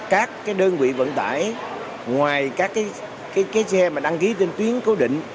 các đơn vị vận tải ngoài các xe đăng ký trên tuyến cố định